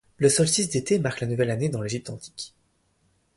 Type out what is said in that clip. Le solstice d'été marque la nouvelle année dans l'Égypte antique.